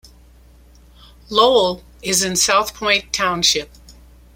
Lowell is in South Point Township.